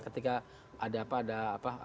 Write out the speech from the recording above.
ketika ada apa ada apa